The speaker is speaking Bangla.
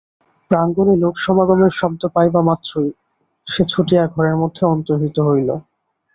প্রাঙ্গণে লোকসমাগমের শব্দ পাইবামাত্রই সে ছুটিয়া ঘরের মধ্যে অন্তর্হিত হইল।